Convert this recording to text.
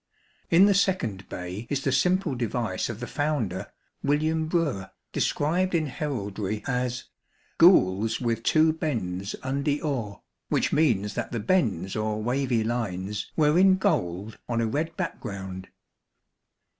In the second bay is the simple device of the founder, William Brewer, described in heraldry as "gules with two bends undy or," which means that the bends or wavy lines were in gold on a red back ground.